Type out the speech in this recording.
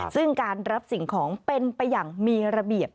ซึ่งการรับสิ่งของเป็นไปอย่างมีระเบียบ